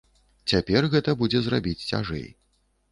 Цяпер гэта будзе зрабіць цяжэй.